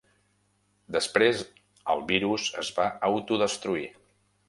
Després el virus es va autodestruir.